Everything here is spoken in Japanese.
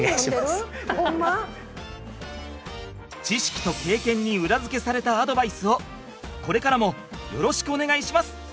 知識と経験に裏付けされたアドバイスをこれからもよろしくお願いします！